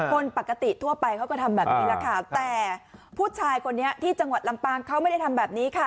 คนปกติทั่วไปเขาก็ทำแบบนี้แหละค่ะแต่ผู้ชายคนนี้ที่จังหวัดลำปางเขาไม่ได้ทำแบบนี้ค่ะ